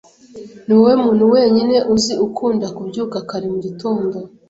Niwowe muntu wenyine uzi ukunda kubyuka kare mu gitondo.